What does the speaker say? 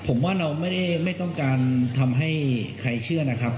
ผมว่าเราไม่ต้องการทำให้ใครเชื่อนะครับ